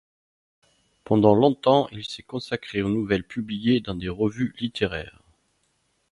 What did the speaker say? Pendant longtemps, il s'est consacré aux nouvelles publiées dans des revues littéraires.